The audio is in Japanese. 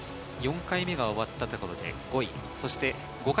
４回目が終わったところで５位。